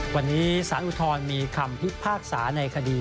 วันนี้ศาลุทรมีคำที่ภาคสาในคดี